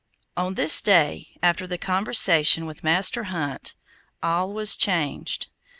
On this day, after the conversation with Master Hunt, all was changed.